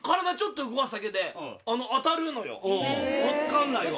分かんないわ。